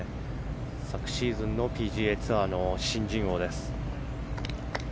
昨シーズンのＰＧＡツアーの新人王です。